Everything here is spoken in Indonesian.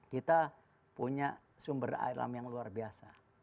kita punya sumber alam yang luar biasa